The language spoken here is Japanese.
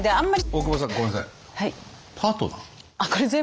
大久保さんごめんなさい。